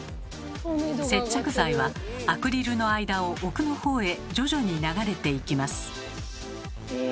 接着剤はアクリルの間を奥の方へ徐々に流れていきます。